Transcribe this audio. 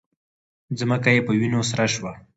ځمکه یې په وینو سره شوه